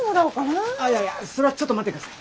ああいやいやそれはちょっと待ってください。